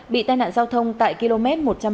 bị tai nạn giao thông tại km một trăm ba mươi